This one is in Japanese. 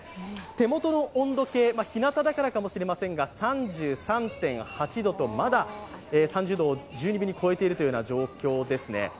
手元の温度計、日向だからかもしれませんが、３３．８度とまだ３０度を十二分に超えているような状況ですね。